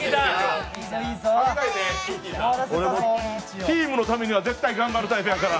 俺もチームのためには絶対頑張るタイプやから。